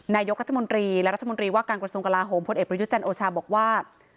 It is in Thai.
นายกรัฐมนตรีและรัฐมนตรีว่าการกระทรวงกลาโหมพลเอกประยุทธ์จันทร์โอชาบอกว่า